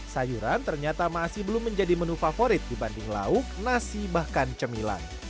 sayuran ternyata masih belum menjadi menu favorit dibanding lauk nasi bahkan cemilan